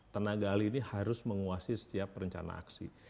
tenaga ahli ini harus menguasai setiap rencana aksi